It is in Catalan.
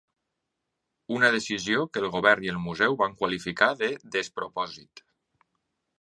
Una decisió que el govern i el museu van qualificar de ‘despropòsit’.